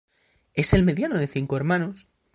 Es el mediano de cinco hermanos.